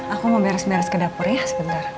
aku mau beres beres ke dapur ya sebentar